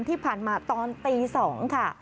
ที่ผ่านมาตอนตี๒ค่ะ